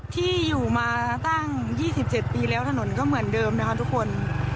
ที่อยู่มาตั้ง๒๗ปีแล้วถนนก็เหมือนเดิมนะคะทุกคน